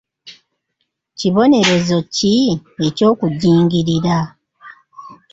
Kibonerezo ki eky'okujingirira?